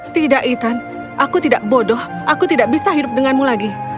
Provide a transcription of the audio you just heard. tidak ethan aku tidak bodoh aku tidak bisa hidup denganmu lagi